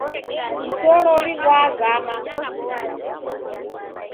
Mtorori ghwazama